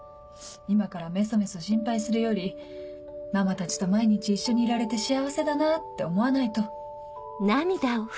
今からメソメソ心配するよりママたちと毎日一緒にいられて幸せだなって思わないと。